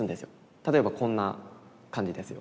例えばこんな感じですよ。